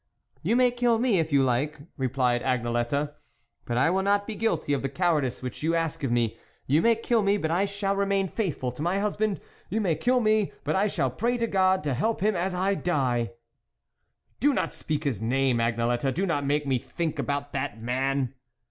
" You may kill me if you like," replied Agnelette, " but I will not be guilty of the cowardice which you ask of me ; you may kill me, but I shall remain faithful to my husband ; you may kill me, but I shall pray to God to help him as I die." " Do not speak his name, Agnelette ; do not make me think about that man.'